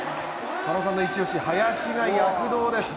狩野さんの一押し、林が躍動です。